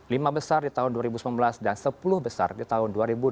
lima besar di tahun dua ribu sembilan belas dan sepuluh besar di tahun dua ribu delapan belas